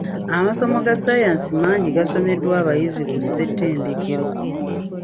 Amasomo ga ssaayansi mangi gasomeddwa abayizi ku ssetendekero.